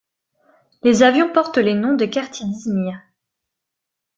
Les avions portent les noms de quartiers d'İzmir.